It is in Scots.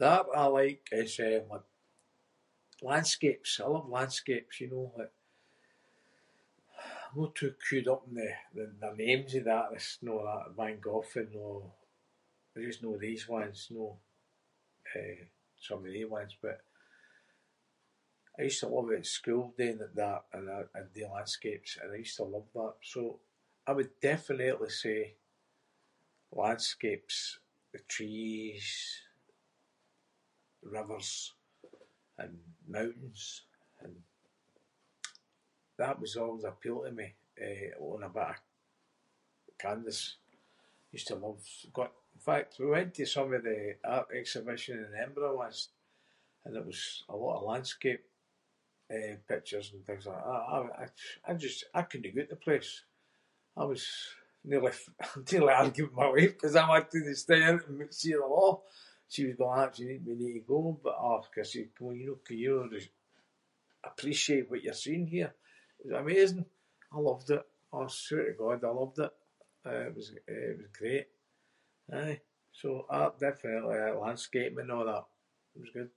The art I like is, eh, l- landscapes. I love landscapes, you know, like-. I’m no too clued up on the- the names of the artists and a’ that. Van Gogh and a’- I just know these ones, know. Eh, some of they ones but I used to love it at school doing the- the art and I- I'd do landscapes and I used to love that. So I would definitely say landscapes. The trees, rivers and mountains and that would always appeal to me, eh, on a bit of canvas. Used to love goi- in fact, we went to some of the art exhibitions in Edinburgh once and it was a lot of landscape, eh, pictures and things like that. I- I j- I just- I couldnae get oot the place. I was nearly- nearly arguing with my wife ‘cause I wanted to stay in and see them a’. She was going like that “we need to go” but aw, I said “can you no- can you no just appreciate what you’re seeing here?” It was amazing! I loved it. Aw, I swear to God, I loved it. Eh, it was- eh it was great. Aye, so art- definitely landscaping and a’ that. It was good.